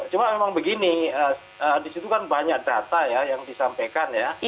cuma memang begini disitu kan banyak data ya yang disampaikan ya